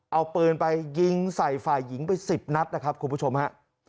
เอาปืนไปยิงใส่ฝ่ายหญิงไป๑๐นัดนะครับคุณผู้ชมฮะ